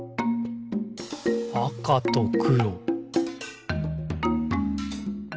「あかとくろ」